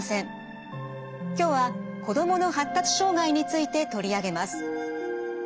今日は子どもの発達障害について取り上げます。